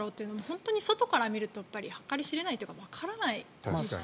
本当に外から見ると計り知れないというかわからないですよね。